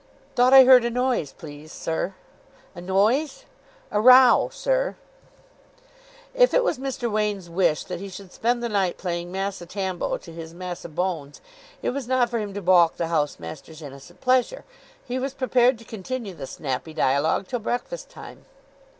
"Thought I heard a noise, please, sir." "A noise?" "A row, sir." If it was Mr. Wain's wish that he should spend the night playing Massa Tambo to his Massa Bones, it was not for him to baulk the house master's innocent pleasure. He was prepared to continue the snappy dialogue till breakfast time.